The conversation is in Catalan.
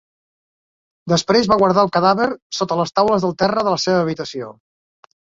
Després va guardar el cadàver sota les taules del terra de la seva habitació.